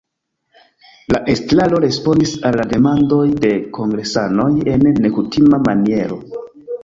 La estraro respondis al demandoj de kongresanoj en nekutima maniero.